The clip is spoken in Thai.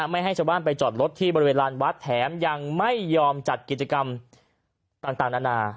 ไม่ให้ชาวบ้านไปจอดรถที่บริเวณลานวัดแถมยังไม่ยอมจัดกิจกรรมต่างนานา